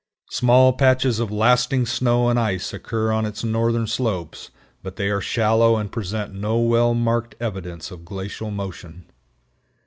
Small patches of lasting snow and ice occur on its northern slopes, but they are shallow, and present no well marked evidence of glacial motion.